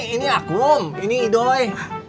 ini aku om ini idoy